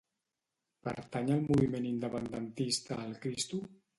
Pertany al moviment independentista el Cristo?